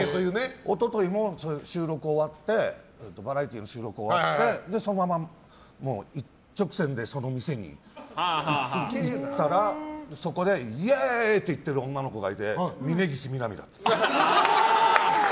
一昨日もバラエティーの収録終わってそのまま一直線でその店に行ったらそこで、イエーイって言っている女の子がいて峯岸みなみだった。